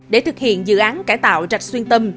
để thực hiện dự án cải tạo rạch xuyên tâm